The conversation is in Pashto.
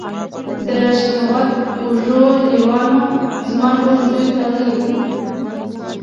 د شهوت وږو لیوانو، زما ټول وجود داړلي